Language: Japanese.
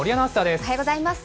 おはようございます。